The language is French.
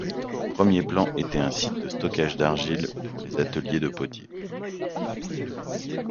Le premier plan était un site de stockage d'argile pour les ateliers de potiers.